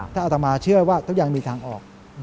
ถ้าอัตมาเชื่อว่าทุกอย่างมีทางออก